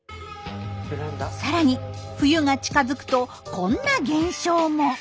さらに冬が近づくとこんな現象も。